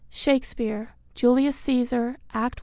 Shakespeare (Julius Caesar, Act.